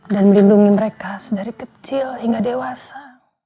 dan melindungi mereka dari kecil hingga dewasa